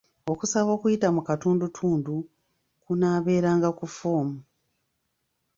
Okusaba okuyita mu katundutundu kunaaberanga ku ffoomu.